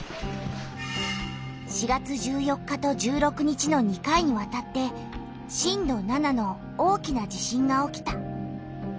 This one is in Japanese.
４月１４日と１６日の２回にわたって震度７の大きな地震が起きた。